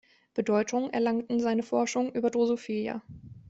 Bedeutung erlangten seine Forschung über Drosophila.